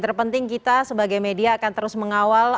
terpenting kita sebagai media akan terus mengawal